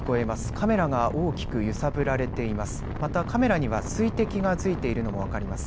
カメラが大きく揺さぶられています。